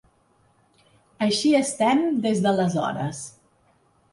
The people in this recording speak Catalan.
Així estem des d’aleshores.